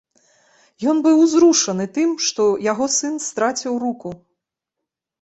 Ён быў узрушаны тым, што яго сын страціў руку.